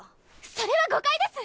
それは誤解です！